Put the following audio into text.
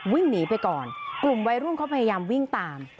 วิ่งหนีไปก่อนกลุ่มวัยรุ่นเขาพยายามวิ่งตาม